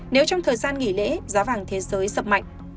nếu trong thời gian nghỉ lễ giá vàng thế giới sập mạnh